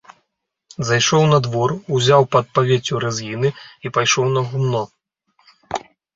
Зайшоў на двор, узяў пад павеццю рэзгіны і пайшоў на гумно.